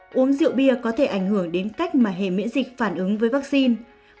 uống rượu bia có thể ảnh hưởng đến cách mà hệ miễn dịch phản ứng với vaccine